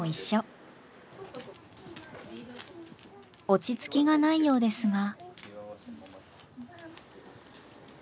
落ち着きがないようですが。